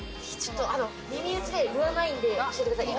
耳打ちで言わないんで教えてください。